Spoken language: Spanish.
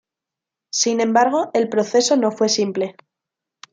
Sin embargo, el proceso no fue simple.